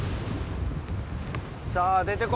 さあ出てこい！